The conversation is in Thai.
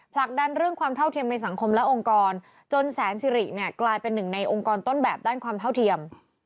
ผลักดันเรื่องความเท่าเทียมในสังคมและองค์กรจนแสนสิริเนี่ยกลายเป็นหนึ่งในองค์กรต้นแบบด้านความเท่าเทียม